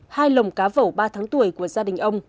hai lồng cá vẩu ba tháng tuổi của gia đình ông